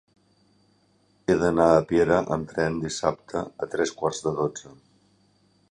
He d'anar a Piera amb tren dissabte a tres quarts de dotze.